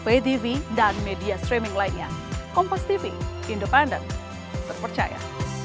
akan kita sampaikan ke rekan rekan media